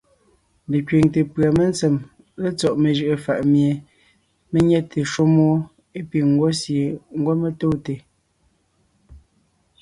Lekẅiŋte pʉ̀a mentsém létsɔ́ mejʉ’ʉ fà’ mie mé nyɛte shúm wó é piŋ ńgwɔ́ sie ńgwɔ́ mé tóonte.